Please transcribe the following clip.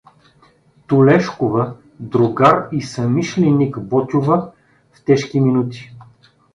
Тулешкова, другар и съмишленик Ботйова в тежки минути.